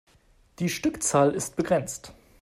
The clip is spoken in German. Die Stückzahl ist begrenzt.